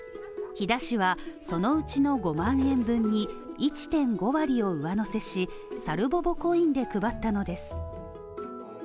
飛騨市はそのうちの５万円分に１．５割を上乗せしさるぼぼコインで配ったのです。